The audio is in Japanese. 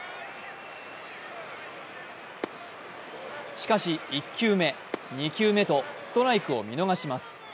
しかし１球目、２球目とストライクを見逃します。